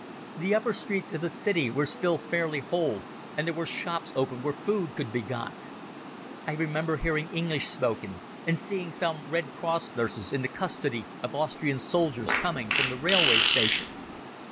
The upper streets of the city were still fairly whole, and there were shops open where food could be got. I remember hearing English spoken, and seeing some Red Cross nurses in the custody of Austrian soldiers coming from the railway station.